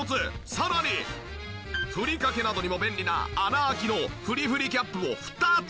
さらにふりかけなどにも便利な穴開きのふりふりキャップを２つ。